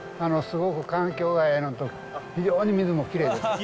すごく環境がええのと、非常に水もきれいです。